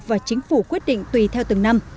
và chính phủ quyết định tùy theo từng năm